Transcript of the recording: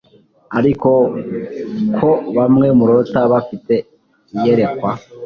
ariko ko bamwe murota bafite iyerekwa